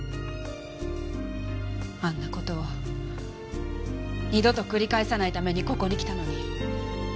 あんな事を二度と繰り返さないためにここに来たのに。